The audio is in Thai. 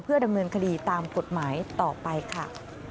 ดำเนินคดีตามกฎหมายต่อไปค่ะ